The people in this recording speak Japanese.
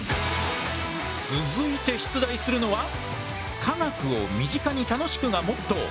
続いて出題するのは科学を身近に楽しくがモットー。